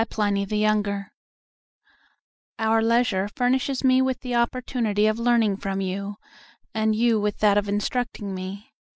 PLINY, THE YOUNGER Letter to Sura Our leisure furnishes me with the opportunity of learning from you, and you with that of instructing me.